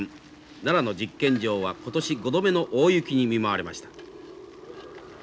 奈良の実験場は今年５度目の大雪に見舞われました。